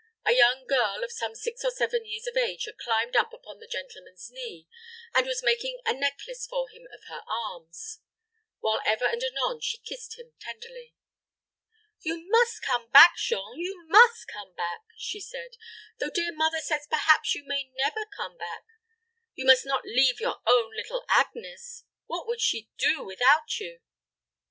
A young girl of some six or seven years of age had climbed up upon the gentleman's knee, and, was making a necklace for him of her arms, while ever and anon she kissed him tenderly. "You must come back, Jean you must come back," she said; "though dear mother says perhaps you may never come back you must not leave your own little Agnes. What would she do without you?"